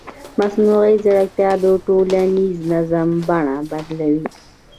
مصنوعي ځیرکتیا د ټولنیز نظم بڼه بدلوي.